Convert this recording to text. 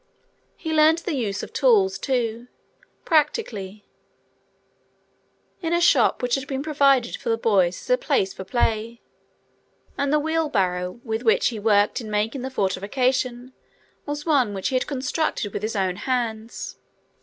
He learned the use of tools, too, practically, in a shop which had been provided for the boys as a place for play; and the wheelbarrow with which he worked in making the fortification was one which he had constructed with his own hands.